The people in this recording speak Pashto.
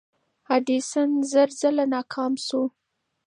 ایډیسن زر ځله ناکام شو.